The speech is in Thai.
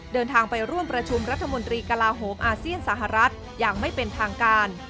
เดินทางไปร่วมประชุมรัฐมนตรีกลาโหมอาเซียนสหรัฐอย่างไม่เป็นทางการ